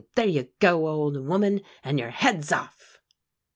there you go, old woman, and your head's off."